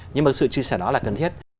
nhưng mà sự chia sẻ đó là cần thiết